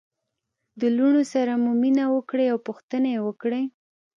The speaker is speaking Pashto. د لوڼو سره مو مینه وکړئ او پوښتنه يې وکړئ